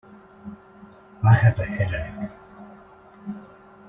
I have a headache.